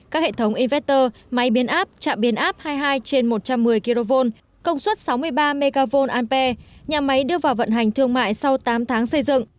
các hệ thống invester máy biến áp trạm biến áp hai mươi hai trên một trăm một mươi kv công suất sáu mươi ba mw anpe nhà máy đưa vào vận hành thương mại sau tám tháng xây dựng